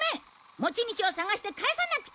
持ち主を捜して返さなくちゃ！